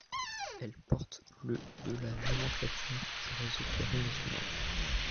Elle porte le de la nomenclature du réseau ferré national.